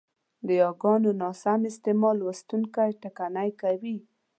د یاګانو ناسم استعمال لوستوونکی ټکنی کوي،